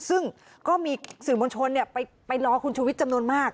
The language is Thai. ซึ่งก็มีสื่อมวลชนไปรอคุณชุวิตจำนวนมาก